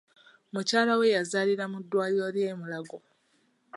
Mukyala we yazaalira mu ddwaliro ly'e Mulago.